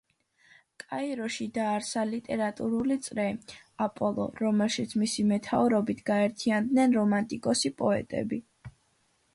კაიროში დააარსა ლიტერატურული წრე „აპოლო“, რომელშიც მისი მეთაურობით გაერთიანდნენ რომანტიკოსი პოეტები.